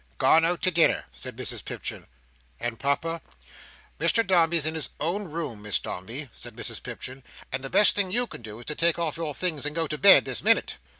"Gone out to dinner," said Mrs Pipchin. "And Papa?" "Mr Dombey is in his own room, Miss Dombey," said Mrs Pipchin, "and the best thing you can do, is to take off your things and go to bed this minute."